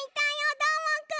どーもくん！